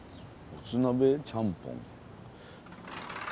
「もつ鍋ちゃんぽん」。